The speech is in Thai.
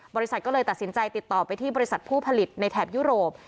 บริษัทก็เลยตัดสินใจติดต่อไปที่บริษัทผู้ผลิตในแถบยุโรป